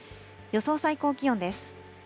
予想最高気温です。